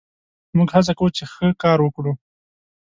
موږ هڅه کوو، چې ښه کار وکړو.